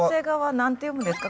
何て読むんですか？